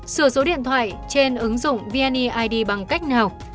sửa số điện thoại trên ứng dụng vneid bằng cách nào